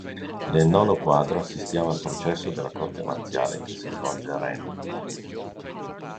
Nel nono quadro assistiamo al processo della Corte Marziale che si svolge a Rennes.